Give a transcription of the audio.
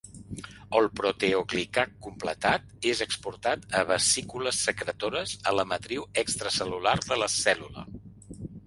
El proteoglicà completat és exportat a vesícules secretores a la matriu extracel·lular de la cèl·lula.